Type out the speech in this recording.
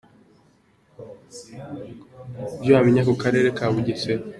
Ibyo wamenya ku Karere ka Bugesera.